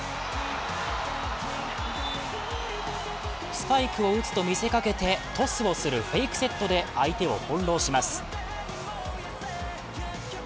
スパイクを打つと見せかけてトスをするフェイクセットで相手を翻弄します。